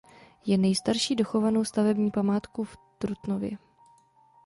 Je nejstarší dochovanou stavební památku v Trutnově.